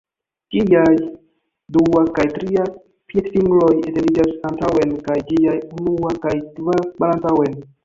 Ĝiaj dua kaj tria piedfingroj etendiĝas antaŭen kaj ĝiaj unua kaj kvara malantaŭen.